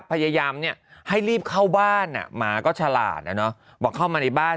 พยายามเนี่ยให้รีบเข้าบ้านหมาก็ฉลาดบอกเข้ามาในบ้าน